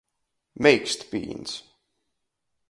Meikstpīns.